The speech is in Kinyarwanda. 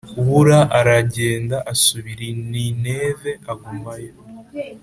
bura aragenda asubira a i Nineve agumayo